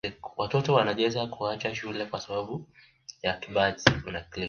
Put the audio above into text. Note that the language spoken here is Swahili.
watoto wanaweza kuacha shule kwa sababu ya kipaji